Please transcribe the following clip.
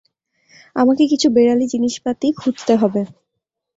আমাকে কিছু বেড়ালি জিনিসপাতি খুঁজতে হবে।